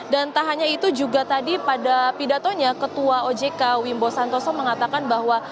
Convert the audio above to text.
dan tak hanya itu juga tadi pada pidatonya ketua ojk wimbo santoso mengatakan bahwa